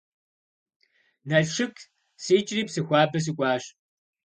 Налшык сикӀри Псыхуабэ сыкӀуащ.